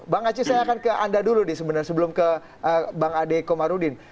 bang aceh saya akan ke anda dulu nih sebenarnya sebelum ke bang ade komarudin